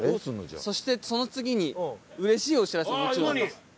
そしてその次にうれしいお知らせもちろんあります。